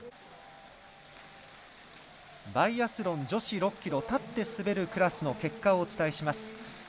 バイアスロン女子６ｋｍ立って滑るクラスの結果をお伝えします。